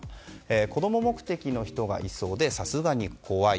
子供目的の人がいそうでさすがに怖い。